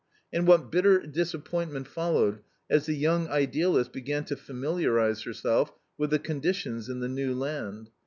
And what bitter disappointment followed as the young idealist began to familiarize herself with the conditions in the new land!